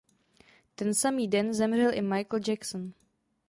Ten samý den zemřel i Michael Jackson.